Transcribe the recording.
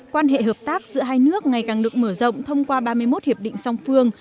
quan hệ hợp tác giữa hai nước ngày càng được mở rộng thông qua ba mươi một hiệp định song phương